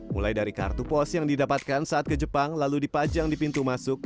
mulai dari kartu pos yang didapatkan saat ke jepang lalu dipajang di pintu masuk